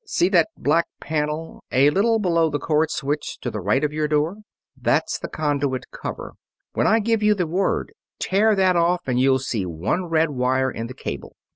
See that black panel, a little below the cord switch to the right of your door? That's the conduit cover. When I give you the word, tear that off and you'll see one red wire in the cable.